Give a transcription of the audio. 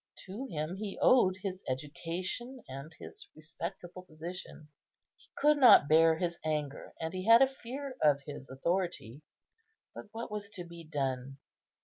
To him he owed his education and his respectable position. He could not bear his anger, and he had a fear of his authority; but what was to be done?